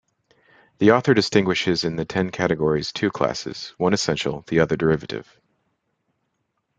The author distinguishes in the ten categories two classes, one essential, the other derivative.